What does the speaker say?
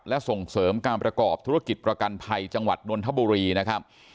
และส่งเสริมการประกอบธุรกิจประกันภัยจังหวัดนนทบุรีนะครับ